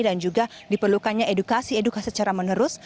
dan juga diperlukannya edukasi edukasi secara menerus